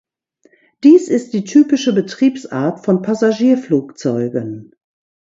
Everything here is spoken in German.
Dies ist die typische Betriebsart von Passagierflugzeugen.